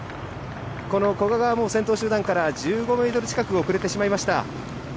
この古賀が、先頭集団から１５ｍ近く遅れてしまいました。